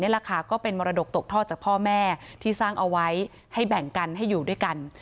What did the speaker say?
ก็เป็นมรดกตกทอดจากพ่อแม่ที่สร้างเอาไว้ให้แบ่งกันให้อยู่ด้วยกัน